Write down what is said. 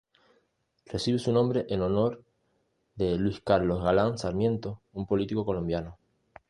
Recibe su nombre en honor de Luis Carlos Galán Sarmiento un político colombiano.